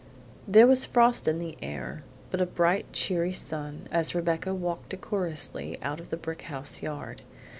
There was frost in the air, but a bright cheery sun, as Rebecca walked decorously out of the brick house yard.